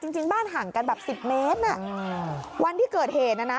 จริงบ้านห่างกันแบบสิบเมตรวันที่เกิดเหตุน่ะนะ